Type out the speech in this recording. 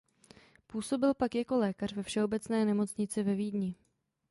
Působil pak jako lékař ve všeobecné nemocnici ve Vídni.